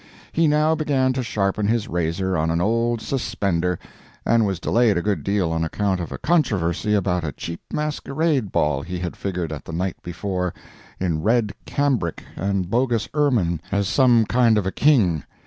He now began to sharpen his razor on an old suspender, and was delayed a good deal on account of a controversy about a cheap masquerade ball he had figured at the night before, in red cambric and bogus ermine, as some kind of a king.